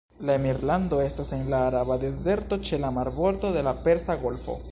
La emirlando estas en la Araba Dezerto ĉe la marbordo de la Persa Golfo.